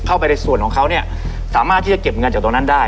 เข้าไปในส่วนของเขาเนี่ยสามารถที่จะเก็บเงินจากตรงนั้นได้